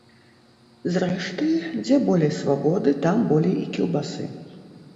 Зрэшты, дзе болей свабоды, там болей і кілбасы.